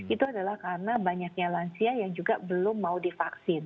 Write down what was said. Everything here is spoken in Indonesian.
itu adalah karena banyaknya lansia yang juga belum mau divaksin